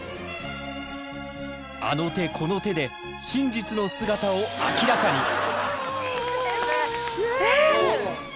あの手この手で真実の姿を明らかに！